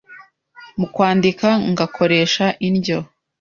mu kwandika ngakoresha indyo